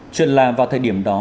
chuyện là vào thời điểm đó